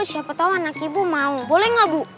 siapa tahu anak ibu mau boleh gak bu